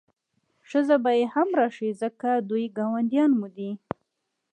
ښځه به یې هم راشي ځکه دوی ګاونډیان مو دي.